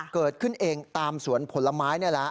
เกิดขึ้นเองตามศวรพละไม้แน่นั้นแหละ